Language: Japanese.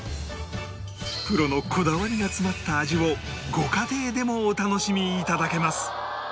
プロのこだわりが詰まった味をご家庭でもお楽しみ頂けます